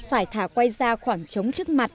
phải thả quay ra khoảng trống trước mặt